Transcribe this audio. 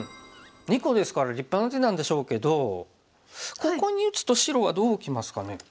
２個ですから立派な手なんでしょうけどここに打つと白はどうきますかね？